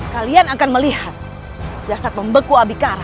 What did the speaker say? kalian akan melihat jasad membeku abikara